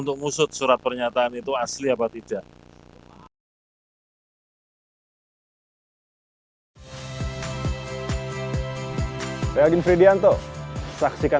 untuk mengusut surat pernyataan itu asli apa tidak